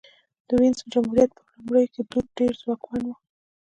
د وینز جمهوریت په لومړیو کې دوج ډېر ځواکمن و